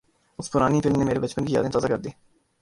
اُس پرانی فلم نے میری بچپن کی یادیں تازہ کردیں